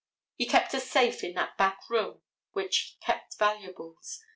He kept a safe in that back room which kept valuables.